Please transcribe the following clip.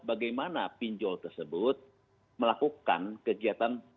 bagaimana pinjol tersebut melakukan kegiatan